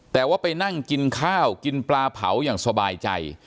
แต่ว่าไปนั่งกินข้าวกินปลาเผาอย่างสบายใจ